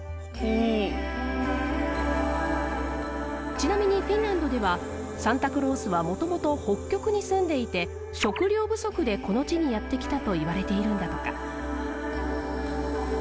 ちなみにフィンランドではサンタクロースはもともと北極に住んでいて食糧不足でこの地にやって来たといわれているんだとか。